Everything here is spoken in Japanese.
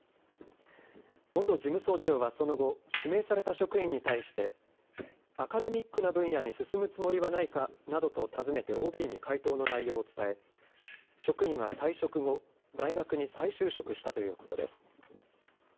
元事務総長はその後、指名された職員に対してアカデミックな分野に進むつもりはないかなどと尋ねてＯＢに回答の内容を伝え職員は退職後、大学に再就職したということです。